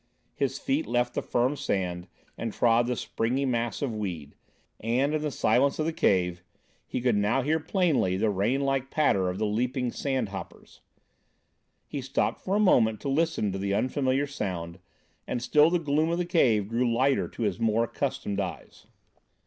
His feet left the firm sand and trod the springy mass of weed, and in the silence of the cave he could now hear plainly the rain like patter of the leaping sand hoppers. He stopped for a moment to listen to the unfamiliar sound, and still the gloom of the cave grew lighter to his more accustomed eyes.